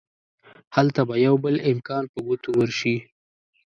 هلته به يو بل امکان په ګوتو ورشي.